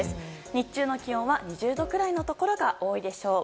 日中の気温は２０度くらいのところが多いでしょう。